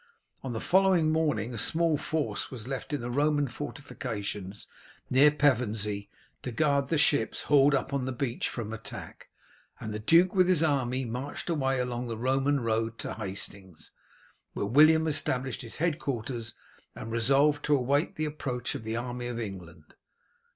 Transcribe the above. On the following morning a small force was left in the Roman fortifications near Pevensey to guard the ships, hauled up on the beach, from attack, and the duke with his army marched away along the Roman road to Hastings, where William established his headquarters and resolved to await the approach of the army of England.